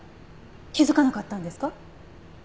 気づかなかったんですか？